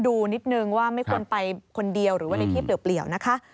ดูนิดนึงว่าไม่ควรไปคนเดียวหรือว่าในที่เปลี่ยวนะคะ